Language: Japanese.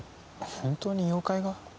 本当に妖怪が？